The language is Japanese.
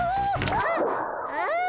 あっああ！